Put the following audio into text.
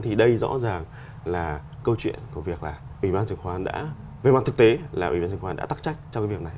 thì đây rõ ràng là câu chuyện của việc là ủy ban chứng khoán đã về mặt thực tế là ủy ban chứng khoán đã tắc trách trong cái việc này